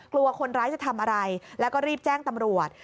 กลัวคนร้ายจะทำอะไรแล้วก็รีบแจ้งตำรวจ